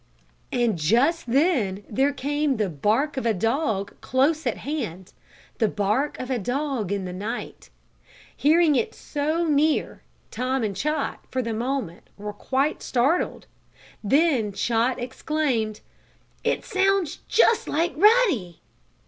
And just then there came the bark of a dog close at hand the bark of a dog in the night. Hearing it so near, Tom and Chot, for the moment, were quite startled. Then Chot exclaimed: "It sounds just like Ruddy!"